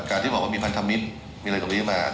ที่บอกว่ามีพันธมิตรมีอะไรตรงนี้มา